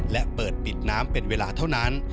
และเปิดปิดน้ำเป็นเวลาเท่านั้น